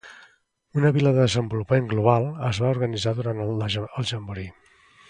Una vila de desenvolupament global es va organitzar durant el jamboree.